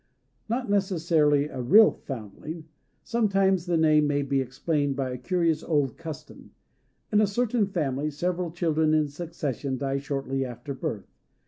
Not necessarily a real foundling. Sometimes the name may be explained by a curious old custom. In a certain family several children in succession die shortly after birth.